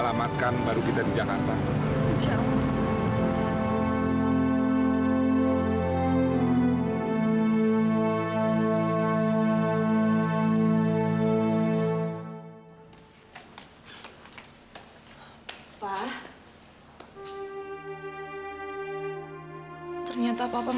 sampai jumpa di video selanjutnya